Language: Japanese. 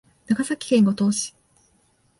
長崎県五島市